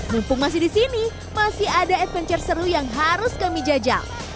mumpung masih di sini masih ada adventure seru yang harus kami jajal